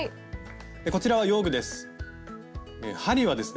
こちらは用具です。